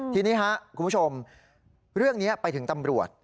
ทีนี้ครับคุณผู้ชมเรื่องนี้ไปถึงตำรวจ